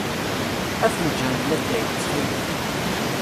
Afenǧal n watay, ttxil-k.